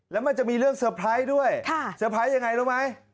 แล้วมันจะมีเรื่องเซอร์ไพรส์ด้วยเซอร์ไพรส์ยังไงรู้ไหม